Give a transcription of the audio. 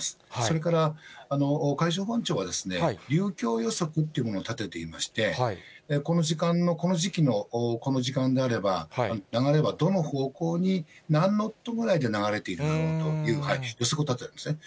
それから海上保安庁は、流況予測というものを立てていまして、この時間のこの時期のこの時間であれば、流れはどの方向に、何ノットぐらいで流れているのかと、予測立てるんですね。